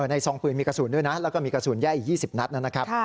ซองปืนมีกระสุนด้วยนะแล้วก็มีกระสุนแย่อีก๒๐นัดนะครับ